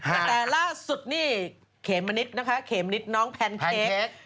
แต่ล่าสุดนี่เขมมะนิดนะคะเขมนิดน้องแพนเค้ก